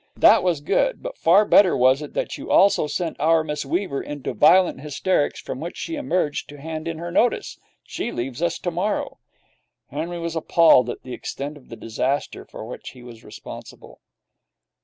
That was good; but far better was it that you also sent our Miss Weaver into violent hysterics, from which she emerged to hand in her notice. She leaves us tomorrow.' Henry was appalled at the extent of the disaster for which he was responsible.